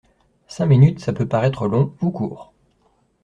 Cinq minutes ça peut paraître long ou court.